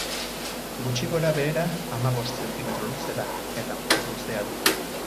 Gutxi gorabehera, hamabost zentimetro luze da eta mutur luzea du.